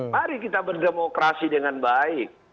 mari kita berdemokrasi dengan baik